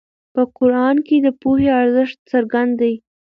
په قرآن کې د پوهې ارزښت څرګند دی.